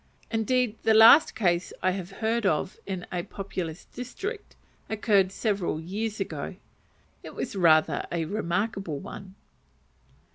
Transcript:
Indeed, the last case I have heard of in a populous district, occurred several years ago. It was rather a remarkable one.